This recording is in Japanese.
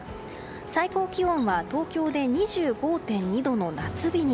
最高気温は東京で２５．２度の夏日に。